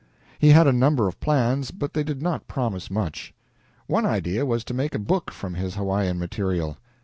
He had a number of plans, but they did not promise much. One idea was to make a book from his Hawaiian material.